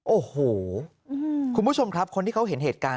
โอ้โหคุณผู้ชมครับคนที่เขาเห็นเหตุการณ์